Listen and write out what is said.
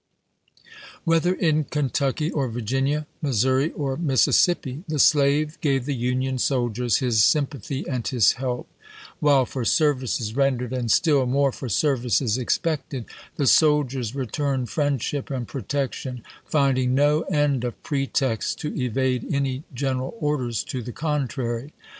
Whether in Kentucky or Virginia, Missouri or Mississippi, the slave gave the Union soldiers his sympathy and his help ; while for services rendered, and still more for services expected, the soldiers returned friendship and protection, finding no end of pretexts to evade any general orders to the contrary.